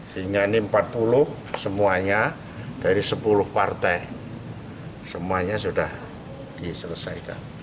sehingga ini empat puluh semuanya dari sepuluh partai semuanya sudah diselesaikan